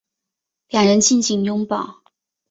两人静静拥抱